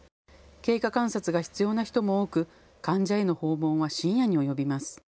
経過観察が必要な人も多く患者への訪問は深夜に及びます。